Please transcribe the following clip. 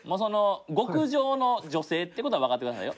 極上の女性ということは分かってくださいよ。